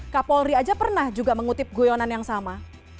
kak polri aja pernah juga mengutip guyonan yang sama